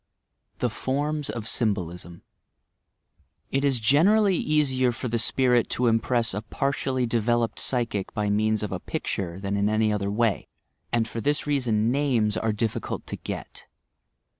THE FORMS OF SYMBOLISM It is generally easier for the spirit to impress a par tially developed psychic by means of a picture than in any other way, and for this reason names are difficult to get.